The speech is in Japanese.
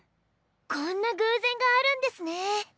こんな偶然があるんですね！